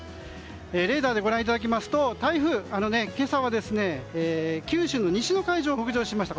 レーダーでご覧いただきますと台風、今朝は九州の西の海上を北上しました。